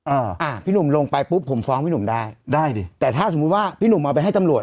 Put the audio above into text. อ่าอ่าพี่หนุ่มลงไปปุ๊บผมฟ้องพี่หนุ่มได้ได้ดิแต่ถ้าสมมุติว่าพี่หนุ่มเอาไปให้ตำรวจ